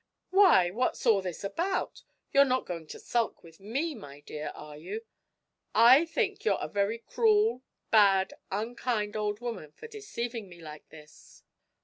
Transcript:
'Why, what's all this about? You're not going to sulk with me, my dear, are you?' 'I think you're a very cruel, bad, unkind old woman for deceiving me like this!'